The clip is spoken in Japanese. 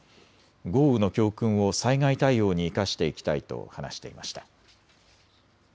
豪雨の教訓を災害対応に生かしていきたいと話していました。